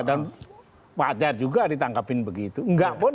dan wajar juga ditangkapin begitu enggak pun